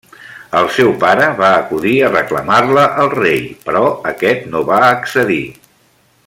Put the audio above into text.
El seu pare va acudir a reclamar-la al rei, però aquest no va accedir.